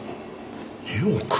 ２億？